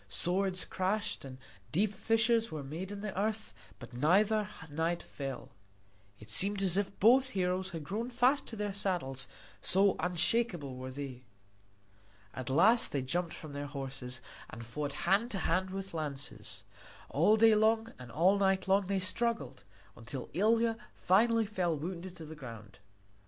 Swords clashed and deep fissures were made in the earth, but neither knight fell. It seemed as if both heroes had grown fast to their saddles, so unshakeable were they. At last they jumped from their horses and fought hand to hand with lances. All day long and all night long they struggled, until Ilia finally fell wounded to the ground.